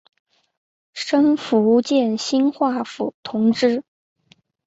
升福建兴化府同知。